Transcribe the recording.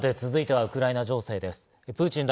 さて、続いてはウクライナ情勢です。